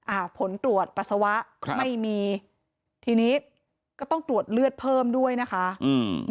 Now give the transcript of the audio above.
อ่าผลตรวจปัสสาวะครับไม่มีทีนี้ก็ต้องตรวจเลือดเพิ่มด้วยนะคะอืม